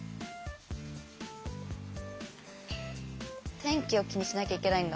天気を気にしなきゃいけないんだ。